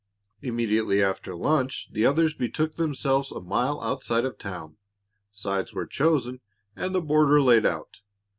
Immediately after lunch the others betook themselves a mile outside of town, sides were chosen, and the "border" laid out.